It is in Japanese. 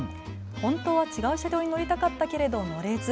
本当は違う車両に乗りたかったけれど乗れず。